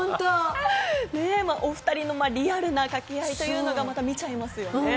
お２人のリアルな掛け合いというのが見ちゃいますよね。